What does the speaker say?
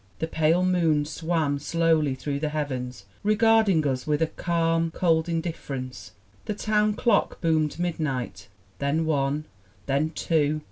The pale moon swam slowly through the heavens, regarding us with a calm, cold indifference. The town clock boomed midnight, then one, then two.